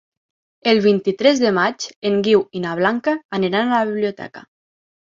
El vint-i-tres de maig en Guiu i na Blanca aniran a la biblioteca.